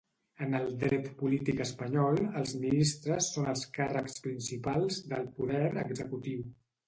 En el dret polític espanyol els ministres són els càrrecs principals del poder executiu.